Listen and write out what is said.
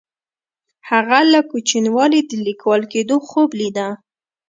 هغه له کوچنیوالي د لیکوال کیدو خوب لیده.